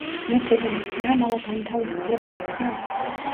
მეფე და მისი ამალა განთავისუფლებულ იქნა.